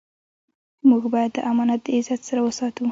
موږ باید دا امانت د عزت سره وساتو.